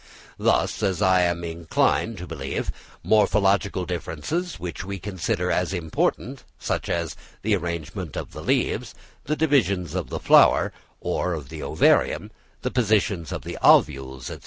Thus, as I am inclined to believe, morphological differences, which we consider as important—such as the arrangement of the leaves, the divisions of the flower or of the ovarium, the position of the ovules, &c.